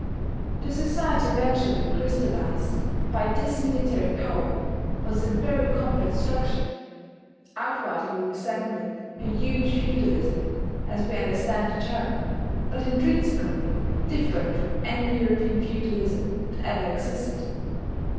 The society eventually crystallized by this military power was a very complex structure outwardly resembling a huge feudalism, as we understand the term, but intrinsically different from any European feudalism that ever existed.